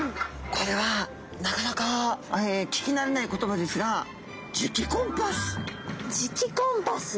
これはなかなか聞き慣れない言葉ですが磁気コンパス。